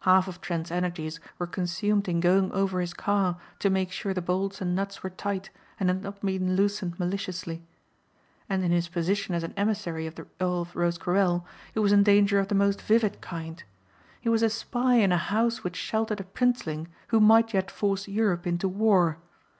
Half of Trent's energies were consumed in going over his car to make sure the bolts and nuts were tight and had not been loosened maliciously. And in his position as an emissary of the Earl of Rosecarrel he was in danger of the most vivid kind. He was a spy in a house which sheltered a princeling who might yet force Europe into war.